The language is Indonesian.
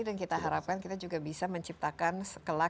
dan kita harapkan kita juga bisa menciptakan sebagainya